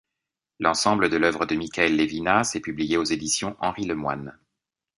L'ensemble de l’œuvre de Michael Levinas est publié aux éditions Henri Lemoine.